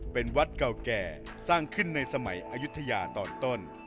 เป็นวัดเก่าแก่สร้างขึ้นในสมัยอายุทยาตอนต้น